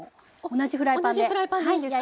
同じフライパンでいいんですか？